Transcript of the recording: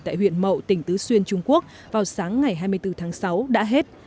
tại huyện mậu tỉnh tứ xuyên trung quốc vào sáng ngày hai mươi bốn tháng sáu đã hết